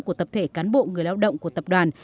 của tập thể cán bộ người lao động của tập đoàn